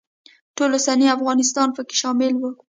ټول اوسنی افغانستان پکې شامل و.